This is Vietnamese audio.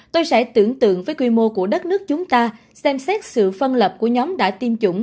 tôi sẽ tưởng tượng với quy mô của đất nước chúng ta xem xét sự phân lập của nhóm đã tiêm chủng